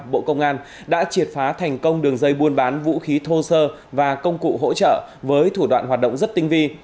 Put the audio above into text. bộ công an đã triệt phá thành công đường dây buôn bán vũ khí thô sơ và công cụ hỗ trợ với thủ đoạn hoạt động rất tinh vi